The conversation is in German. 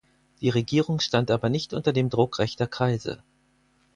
Die Regierung stand aber nicht unter dem Druck rechter Kreise.